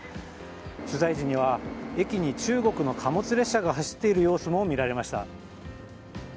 取材時には駅に中国の貨物列車が走っている様子も見られました。